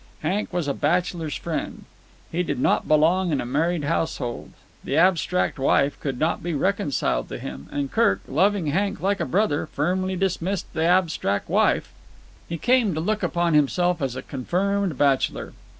Hank was a bachelor's friend; he did not belong in a married household. The abstract wife could not be reconciled to him, and Kirk, loving Hank like a brother, firmly dismissed the abstract wife. He came to look upon himself as a confirmed bachelor.